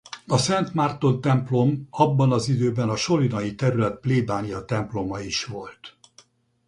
A Szent Márton templom abban az időben a solinai terület plébániatemploma is volt.